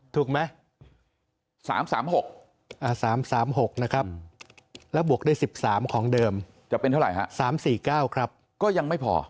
ถูกไหม๓๓๖นะครับแล้วบวกได้๑๓ของเดิมจะเป็นเท่าไหร่ฮะ๓๔๙ครับก็ยังไม่พอ